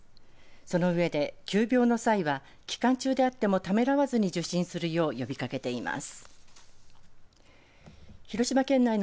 その上で急病の際は期間中であっても、ためらわずに受診するよう呼びかけています。